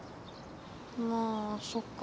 まあそっか。